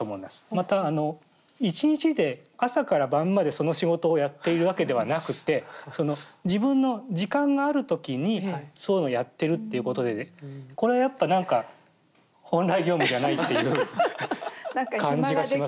またあの１日で朝から晩までその仕事をやっているわけではなくて自分の時間がある時にそういうのをやってるっていうことでこれやっぱなんか本来業務じゃないっていう感じがします。